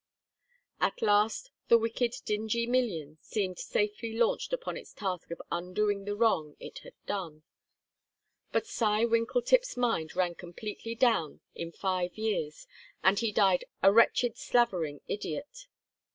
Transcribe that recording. At last the wicked Dingee million seemed safely launched upon its task of undoing the wrong it had done; but Cy Winkletip's mind ran completely down in five years and he died a wretched slavering, idiot.